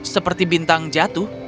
seperti bintang jatuh